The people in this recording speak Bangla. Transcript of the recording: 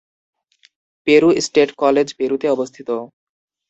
পেরু স্টেট কলেজ পেরুতে অবস্থিত।